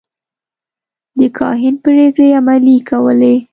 د کاهن پرېکړې عملي کولې.